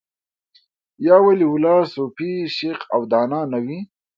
یو ولي الله، صوفي، شیخ او دانا نه و